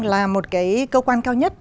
là một cơ quan cao nhất